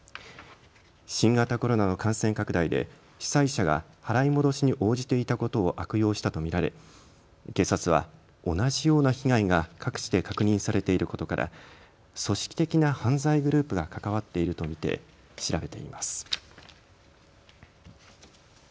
新型コロナの感染拡大で主催者が払い戻しに応じていたことを悪用したと見られ警察は同じような被害が各地で確認されていることから組織的な犯罪グループが関わっていると見て調べています。